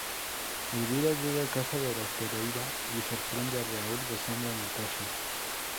Elvira, llega a casa de los Pereira y sorprende a Raúl besando a Natacha.